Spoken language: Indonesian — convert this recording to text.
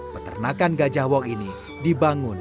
peternakan gajahwong ini dibangun